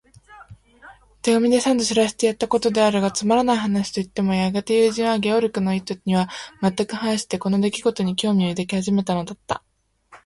手紙で三度知らせてやったことであるが、つまらない話といってもやがて友人は、ゲオルクの意図にはまったく反して、この出来ごとに興味を抱き始めたのだった。